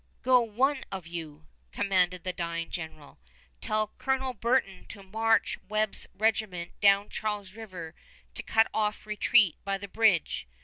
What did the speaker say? "Go, one of you," commanded the dying general; "tell Colonel Burton to march Webb's regiment down Charles River to cut off retreat by the bridge.